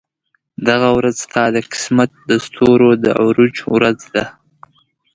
دغه ورځ ستا د قسمت د ستورو د عروج ورځ ده.